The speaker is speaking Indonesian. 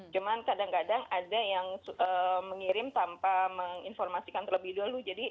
cuman kadang kadang ada yang mengirim tanpa menginformasikan terlebih dahulu